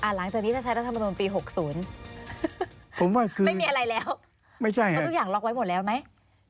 หลังจากนี้ถ้าใช้รัฐมนุนปี๖๐ไม่มีอะไรแล้วเพราะทุกอย่างล็อกไว้หมดแล้วไหม